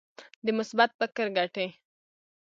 د مثبت فکر ګټې.